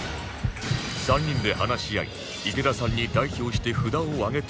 ３人で話し合い池田さんに代表して札を上げていただきます